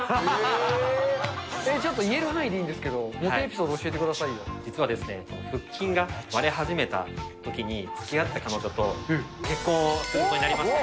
ちょっと言える範囲でいいんですけど、実はですね、腹筋が割れ始めたときにつきあった彼女と結婚をすることになりまして。